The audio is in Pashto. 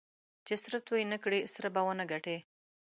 چې سره توی نه کړې؛ سره به و نه ګټې.